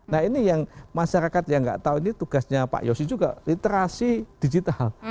nah ini yang masyarakat yang nggak tahu ini tugasnya pak yosi juga literasi digital